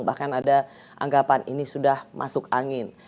bahkan ada anggapan ini sudah masuk angin